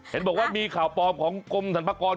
เห็นบอกว่ามีข่าวปลอมของกรมถัดประกอบ